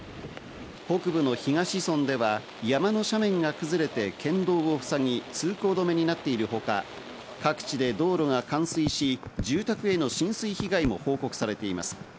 北部の東村では山の斜面が崩れて県道を塞ぎ、通行止めになっているほか、各地で道路が冠水し、住宅への浸水被害も報告されています。